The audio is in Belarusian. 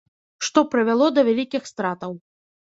Што прывяло да вялікіх стратаў.